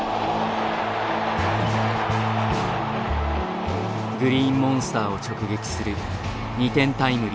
グリーンモンスターを直撃する２点タイムリー。